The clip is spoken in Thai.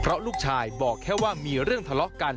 เพราะลูกชายบอกแค่ว่ามีเรื่องทะเลาะกัน